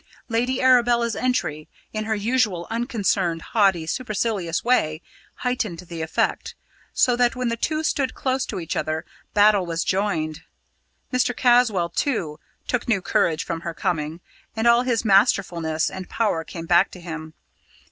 Lady Arabella's entry, in her usual unconcerned, haughty, supercilious way, heightened the effect, so that when the two stood close to each other battle was joined. Mr. Caswall, too, took new courage from her coming, and all his masterfulness and power came back to him.